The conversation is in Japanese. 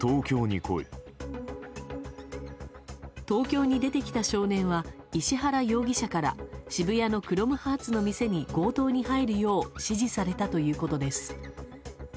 東京に出てきた少年は石原容疑者から渋谷のクロムハーツの店に強盗に入るよう指示されたということです。